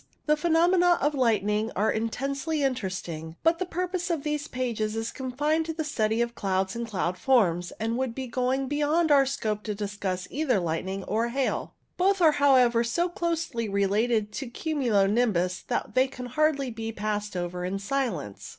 The phenomena of lightning are intensely interesting, but the purpose of these pages is confined to the study of clouds and cloud forms, and it would be going beyond our scope to discuss either lightning or hail. Both are, THUNDER CLOUDS 115 however, so closely related to cumulo nimbus that they can hardly be passed over in silence.